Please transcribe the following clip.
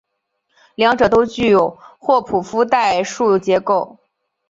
两者都具有霍普夫代数结构。